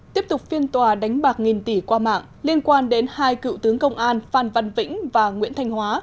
tiếp tục phiên tòa đánh bạc nghìn tỷ qua mạng liên quan đến hai cựu tướng công an phan văn vĩnh và nguyễn thanh hóa